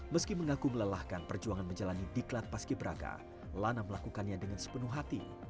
meski mengaku melelahkan perjuangan menjalani di klat pas kipraga lana melakukannya dengan sepenuh hati